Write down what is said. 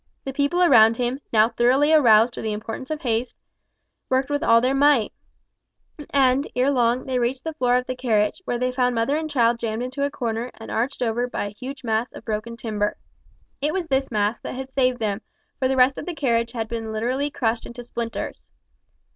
The people around him, now thoroughly aroused to the importance of haste, worked with all their might, and, ere long, they reached the floor of the carriage, where they found mother and child jammed into a corner and arched over by a huge mass of broken timber. It was this mass that saved them, for the rest of the carriage had been literally crushed into splinters.